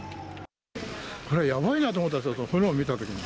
これはやばいなと思ったんですよ、炎を見たときに。